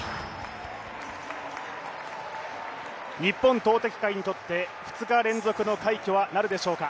日本投てき界にとって２日連続の快挙はなるでしょうか。